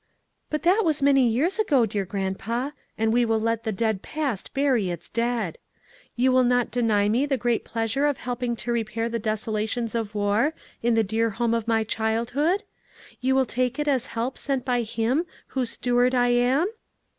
"But that was many years ago, dear grandpa, and we will 'let the dead past bury its dead,' You will not deny me the great pleasure of helping to repair the desolations of war in the dear home of my childhood? You will take it as help sent by Him whose steward I am?"